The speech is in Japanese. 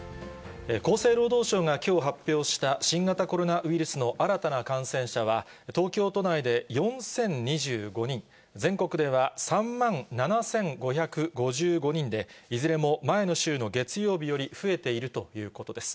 厚生労働省がきょう発表した新型コロナウイルスの新たな感染者は、東京都内で４０２５人、全国では３万７５５５人で、いずれも前の週の月曜日より増えているということです。